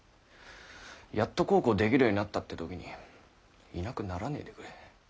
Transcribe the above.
やっと孝行できるようになったって時にいなくならねぇでくれ。